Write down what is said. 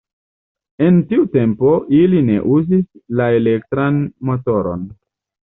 En tiu tempo, ili ne uzis la elektran motoron.